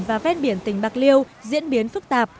và ven biển tỉnh bạc liêu diễn biến phức tạp